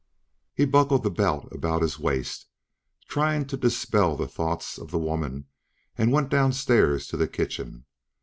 He buckled the belt about his waist, trying to dispel the thoughts of the woman, and went downstairs to the kitchen.